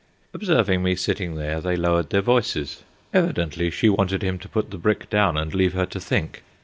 Observing me sitting there, they lowered their voices. Evidently she wanted him to put the brick down and leave her to think.